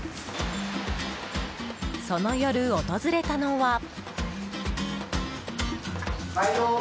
その夜、訪れたのは。